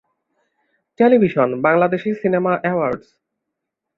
television, Bangladeshi cinema awards